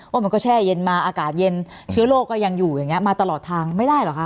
มันก็แช่เย็นมาอากาศเย็นเชื้อโรคก็ยังอยู่อย่างนี้มาตลอดทางไม่ได้เหรอคะ